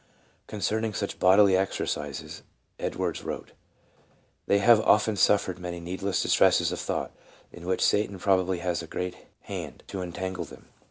2 Concerning such " bodily exercises" Edwards wrote: ".... they have often suffered many needless distresses of thought, in which Satan probably has a great hand, to entangle them